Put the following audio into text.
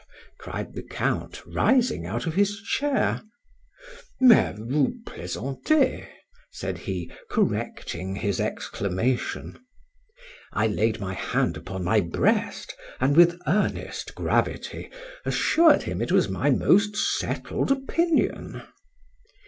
cried the Count, rising out of his chair. Mais vous plaisantez, said he, correcting his exclamation.—I laid my hand upon my breast, and with earnest gravity assured him it was my most settled opinion.